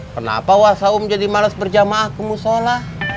kenapa wasaham jadi males berjamaah ke musyola